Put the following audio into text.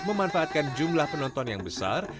memanfaatkan jumlah penonton yang besar